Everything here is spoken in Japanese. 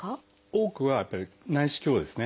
多くはやっぱり内視鏡ですね。